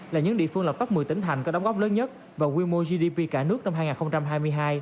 là những địa phương lập top một mươi tỉnh thành có đóng góp lớn nhất và quy mô gdp cả nước năm hai nghìn hai mươi hai